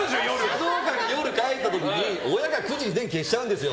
静岡に夜帰った時に親が９時に電気を消しちゃうんですよ。